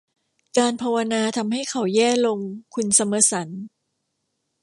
การภาวนาทำให้เขาแย่ลง คุณซัมเมอร์สัน